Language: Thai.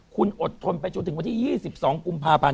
คุณอดทนไปจนถึงวันที่๒๒กุมภาพันธ์